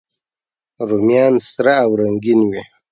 رومیان سره او رنګین وي